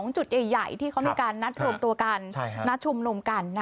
จุดใหญ่ที่เขามีการนัดรวมตัวกันนัดชุมนุมกัน